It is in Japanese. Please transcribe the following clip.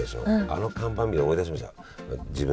あの看板見て思い出しました。